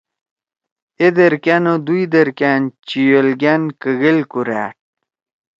آئن درکیأنو دوئی درکیأن، چِھیُئل گیأن ککیئل کو رھیأٹ؟